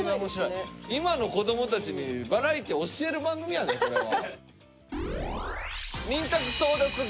今の子どもたちにバラエティー教える番組やぞこれは。